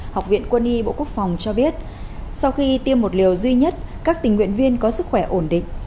học viện quân y bộ quốc phòng cho biết sau khi tiêm một liều duy nhất các tình nguyện viên có sức khỏe ổn định